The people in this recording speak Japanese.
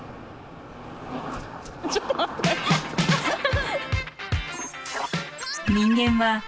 ちょっと待って下さいハハハ！